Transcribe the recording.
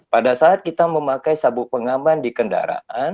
pada saat kita memakai sabuk pengaman di kendaraan